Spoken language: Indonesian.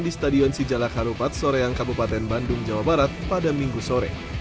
di stadion sijalak harupat soreang kabupaten bandung jawa barat pada minggu sore